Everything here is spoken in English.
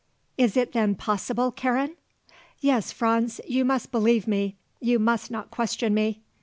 Is it then possible, Karen?" "Yes, Franz; you must believe me. You must not question me."